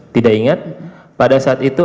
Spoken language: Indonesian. tidak ingat pada saat itu